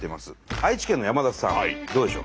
愛知県の山田さんどうでしょう？